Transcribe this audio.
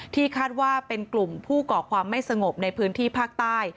คาดว่าเป็นกลุ่มผู้ก่อความไม่สงบในพื้นที่ภาคใต้